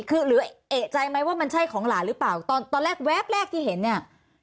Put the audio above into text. คือหรือเอกใจไหมว่ามันใช่ของหลานหรือเปล่าตอนตอนแรกแวบแรกที่เห็นเนี่ย